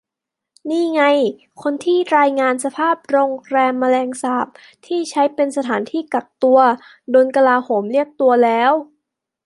นี่ไง คนที่รายงานสภาพ"โรงแรมแมลงสาบ" ที่ใช้เป็นสถานที่กักตัว โดนกลาโหมเรียกตัวแล้ว